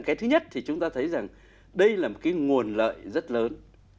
cái thứ nhất thì chúng ta thấy rằng đây là một cái nguồn lợi rất lớn